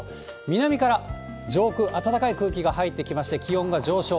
南から上空、温かい空気が入ってきまして、気温が上昇。